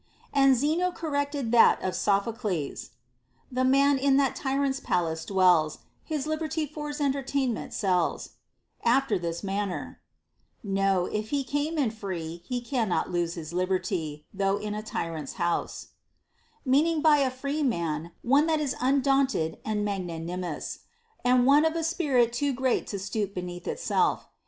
And Zeno corrected that of Sophocles, The man that in a tyrant's palace dwells His liberty for's entertainment sells, after this manner : No : if he came in free, he cannot lose His liberty, though in a tyrant's house ; meaning by a free man one that is undaunted and mag nanimous, and one of a spirit too great to stoop beneath itself.